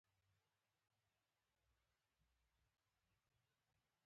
د عریضه کوونکو سېل ورمات شو.